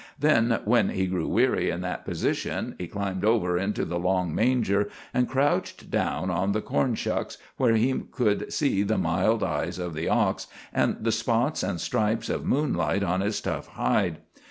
Then, when he grew weary in that position, he climbed over into the long manger and crouched down on the corn shucks, where he could see the mild eyes of the ox, and the spots and stripes of moonlight on his tough hide.